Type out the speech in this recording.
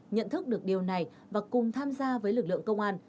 nhận thức được điều này và cùng tham gia với lực lượng công an